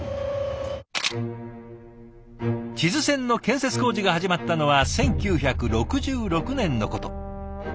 智頭線の建設工事が始まったのは１９６６年のこと。